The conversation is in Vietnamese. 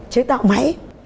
chế tạo máy